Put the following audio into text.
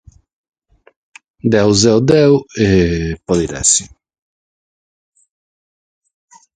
Connoschèntzia.